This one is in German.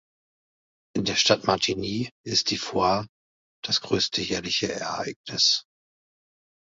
In der Stadt Martigny ist die "Foire" das grösste jährliche Ereignis.